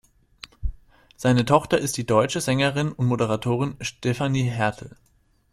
Seine Tochter ist die deutsche Sängerin und Moderatorin Stefanie Hertel.